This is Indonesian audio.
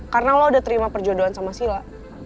karena lo udah terima perjodohan sama sila